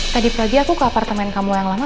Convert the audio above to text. tadi pagi aku ke apartemen kamu yang lama